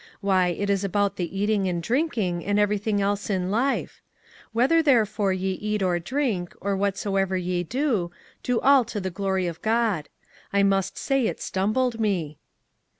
Why, it is about the eating and drinking and eveiything else in life. ' Whether there fore ye eat or drink, or whatsoever ye do, do all to the glory of God.' I must say it stumbled me."